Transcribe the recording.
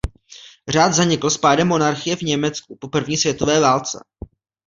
Řád zanikl s pádem monarchie v Německu po první světové válce.